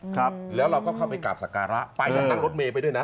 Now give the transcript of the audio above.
ครับแล้วเราก็เข้าไปกราบสการะไปกับนั่งรถเมย์ไปด้วยนะ